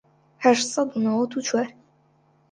هەشت سەد و نەوەت و چوار